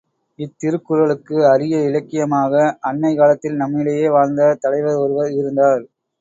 இத்திருக்குறளுக்கு அரிய இலக்கியமாக அண்மைக் காலத்தில் நம்மிடையே வாழ்ந்த தலைவர் ஒருவர் இருந்தார்!